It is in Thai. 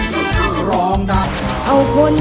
คือร้องด้านให้ด้าน